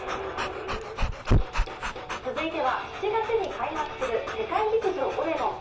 続いては７月に開幕する世界陸上オレゴン。